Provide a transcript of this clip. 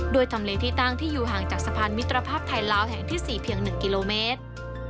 ทำเลที่ตั้งที่อยู่ห่างจากสะพานมิตรภาพไทยลาวแห่งที่๔เพียง๑กิโลเมตร